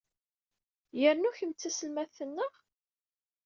Yernu kemm d taselmadt, naɣ?